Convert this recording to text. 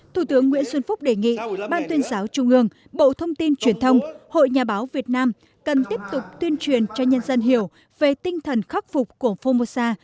thủ tướng nguyễn xuân phúc đề nghị ban tuyên giáo trung ương bộ thông tin truyền thông hội nhà báo việt nam cần tiếp tục tuyên truyền cho nhân dân hiểu về tinh thần khắc phục của formosa